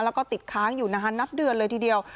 แล้วก็ติดค้างอยู่นานนับเดือนเลยทีเดียว